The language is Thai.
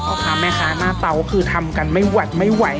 พ่อค้าแม่ค้าหน้าเตาคือทำกันไม่หวัดไม่ไหว